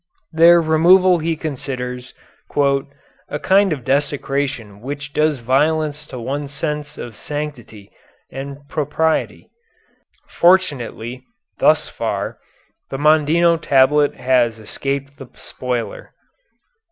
Their removal he considers "a kind of desecration which does violence to one's sense of sanctity and propriety." "Fortunately, thus far, the Mondino Tablet has escaped the spoiler."